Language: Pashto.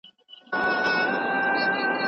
هغه ښکلې نجلۍ نسته مور منګی نه ورکوینه